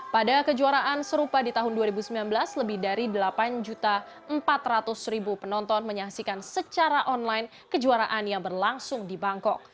pada kejuaraan serupa di tahun dua ribu sembilan belas lebih dari delapan empat ratus penonton menyaksikan secara online kejuaraan yang berlangsung di bangkok